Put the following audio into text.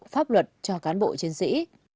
pháp luật cho cán bộ chiến sĩ